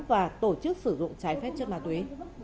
và tổ chức sử dụng trái phép chất ma túy